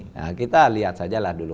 nah kita lihat sajalah dulu